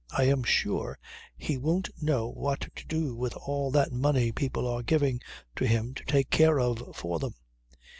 I am sure he won't know what to do with all that money people are giving to him to take care of for them.